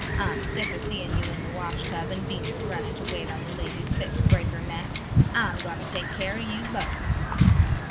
I'm sick of seeing you in the washtub and Venus running to wait on the laides fit to break her neck. I'm going to take care of you both."